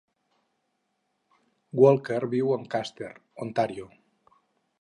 Walker viu a Ancaster, Ontario.